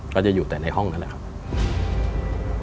ก็จะอยู่แต่ในห้องนั่นแหละครับ